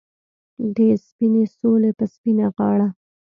د سپینې سولې په سپینه غاړه